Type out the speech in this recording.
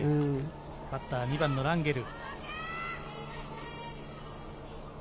バッターは２番のランゲル。